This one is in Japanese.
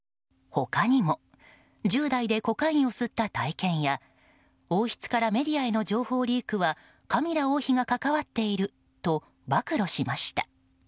他にも１０代でコカインを吸った体験や王室からメディアへの情報リークはカミラ王妃が関わっていると暴露しました。